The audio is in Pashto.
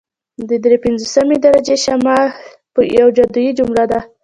د دري پنځوسمې درجې شمال یوه جادويي جمله ده